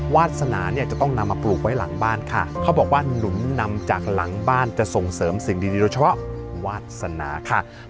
วาสนาเนี่ยจะต้องนำมาปลูกไว้หลังบ้านค่ะเขาบอกว่าหนุนนำจากหลังบ้านจะส่งเสริมสิ่งดีโดยเฉพาะวาสนาค่ะ